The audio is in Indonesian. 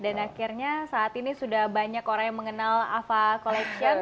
dan akhirnya saat ini sudah banyak orang yang mengenal afa collection